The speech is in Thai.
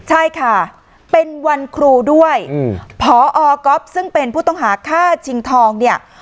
ใช่ค่ะเป็นวันครูด้วยพอก๊อฟซึ่งเป็นผู้ต้องหาฆ่าชิงทองเนี่ย